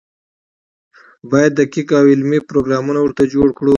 باید دقیق او علمي پروګرام ورته جوړ کړو.